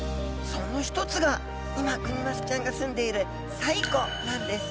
その一つが今クニマスちゃんがすんでいる西湖なんです！